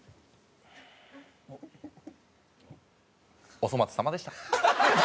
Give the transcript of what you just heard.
お粗末さまでした。